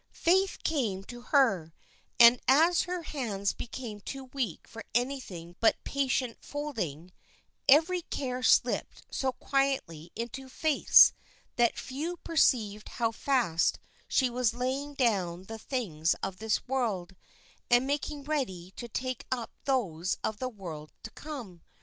Faith came to her, and as her hands became too weak for anything but patient folding, every care slipped so quietly into Faith's, that few perceived how fast she was laying down the things of this world, and making ready to take up those of the world to come.